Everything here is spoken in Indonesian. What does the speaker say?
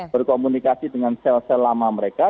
berkomunikasi dengan sel sel lama mereka